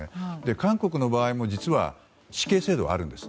韓国の場合も実は死刑制度があるんです。